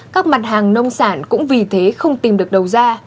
các mặt hàng nông sản cũng vì thế không tìm được đầu ra